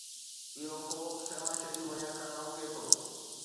اهو خوف سيوهڻ شريف وڃڻ کان روڪي ٿو.